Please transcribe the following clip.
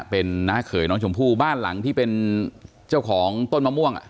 เป็นน้าเขยน้องชมพู่บ้านหลังที่เป็นเจ้าของต้นมะม่วง